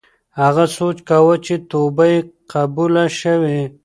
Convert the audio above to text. هغه سوچ کاوه چې توبه یې قبوله شوې.